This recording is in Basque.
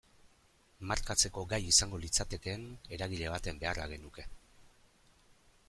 Markatzeko gai izango litzatekeen eragile baten beharra genuke.